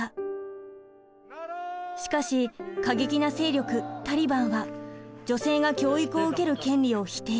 しかし過激な勢力タリバンは女性が教育を受ける権利を否定。